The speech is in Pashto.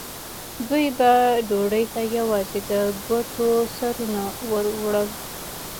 دوی به ډوډۍ ته یوازې د ګوتو سرونه وروړل.